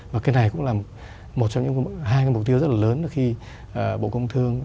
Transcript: và cái này cũng là một trong những hai cái mục tiêu rất là lớn khi bộ công thương